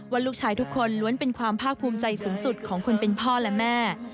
ว่าลูกชายทุกคนล้วนเป็นความภาคภูมิใจสูงสุดของคนเป็นพ่อและแม่